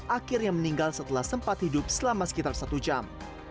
akhirnya meninggal setelah sempat hidup selama sekitar satu jam